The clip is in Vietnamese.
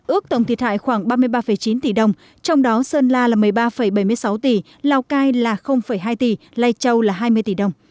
ước tổng thiệt hại khoảng ba mươi ba chín tỷ đồng trong đó sơn la là một mươi ba bảy mươi sáu tỷ lào cai là hai tỷ lai châu là hai mươi tỷ đồng